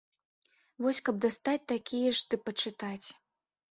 Вось каб дастаць такія ж ды пачытаць.